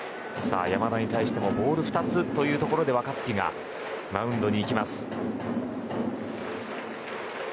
山田に対してもボール２つというところで若月がマウンドに行きました。